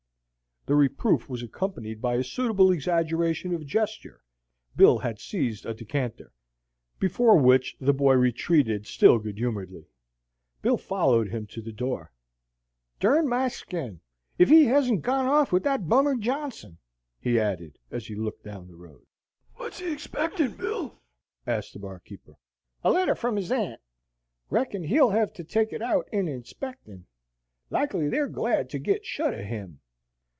The reproof was accompanied by a suitable exaggeration of gesture (Bill had seized a decanter) before which the boy retreated still good humoredly. Bill followed him to the door. "Dern my skin, if he hezn't gone off with that bummer Johnson," he added, as he looked down the road. "What's he expectin', Bill?" asked the barkeeper. "A letter from his aunt. Reckon he'll hev to take it out in expectin'. Likely they're glad to get shut o' him."